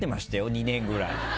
２年ぐらい。